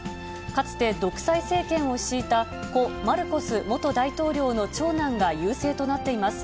かつて独裁政権を敷いた故・マルコス元大統領の長男が優勢となっています。